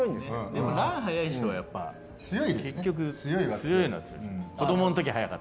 でもランが速い人は結局、強いのは強いです。